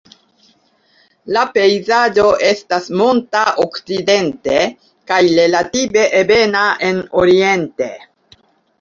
La pejzaĝo estas monta okcidente kaj relative ebena en oriente.